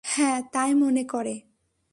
হ্যাঁ, তাই মনে করে।